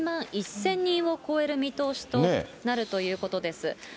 １万１０００人を超える見通しとなるということです。